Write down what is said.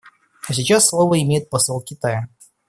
А сейчас слово имеет посол Китая.